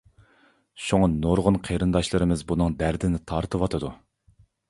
شۇڭا نۇرغۇن قېرىنداشلىرىمىز بۇنىڭ دەردىنى تارتىۋاتىدۇ.